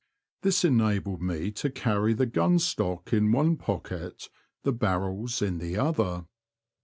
This enabled me to carry the gun stock in one pocket, the barrels in the other.